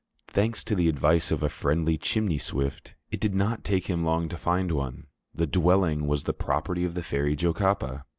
Thanks to the advice of a friendly chimney swift, it did not take him long to find one. The dwelling was the property of the Fairy Jocapa.